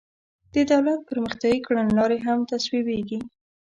د دولت پرمختیایي کړنلارې هم تصویبیږي.